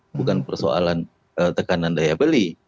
bukan persoalan tekanan daya beli